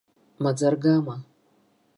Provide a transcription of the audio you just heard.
Маӡа-ргама.